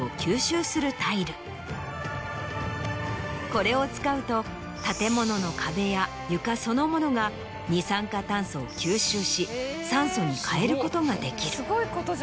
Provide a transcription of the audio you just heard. これを使うと建物の壁や床そのものが二酸化炭素を吸収し酸素に変えることができる。